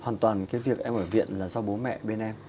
hoàn toàn cái việc em ở viện là do bố mẹ bên em